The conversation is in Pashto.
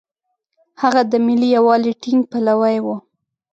هغه د ملي یووالي ټینګ پلوی و.